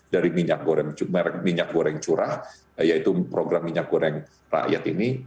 dari minyak goreng curah yaitu program minyak goreng rakyat ini